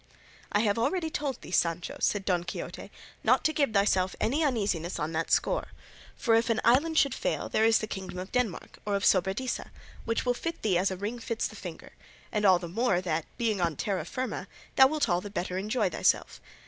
"I have already told thee, Sancho," said Don Quixote, "not to give thyself any uneasiness on that score; for if an island should fail, there is the kingdom of Denmark, or of Sobradisa, which will fit thee as a ring fits the finger, and all the more that, being on terra firma, thou wilt all the better enjoy thyself.